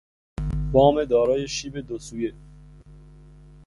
بام دارای شیب دو سویه